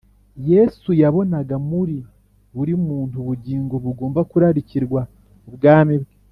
Yesu yabonaga muri buri muntu ubugingo bugomba kurarikirwa Ubwami bwe.